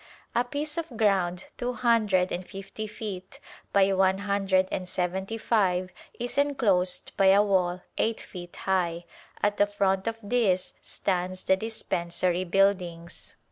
A piece of ground two hundred and fifty feet by one hundred and seventy five is enclosed by a wall eight feet high ; at the front of this stands the dispensary buildings.